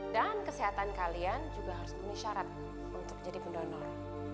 dan kesehatan kalian juga harus punya syarat untuk jadi pendonor